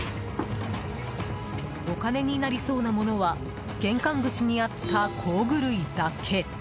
お金になりそうなものは玄関口にあった工具類だけ。